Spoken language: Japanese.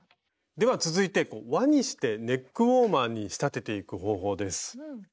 では続いて輪にしてネックウォーマーに仕立てていく方法です。